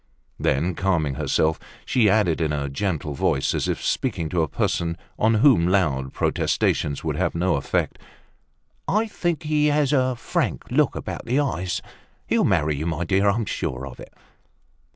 Then calming herself, she added in a gentle voice, as if speaking to a person on whom loud protestations would have no effect, "I think he has a frank look about the eyes. He'll marry you, my dear, I'm sure of it."